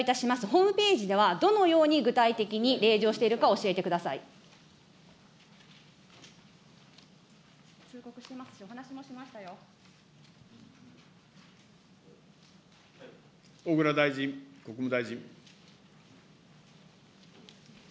ホームページではどのように具体的に例示をしているかを教えてく小倉大臣、国務大臣。